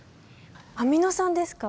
アミノ酸ですか？